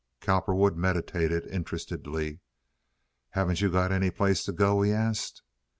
Cowperwood meditated interestedly. "Haven't you any place you can go?" he asked.